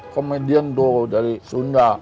komedian tuh dari sunda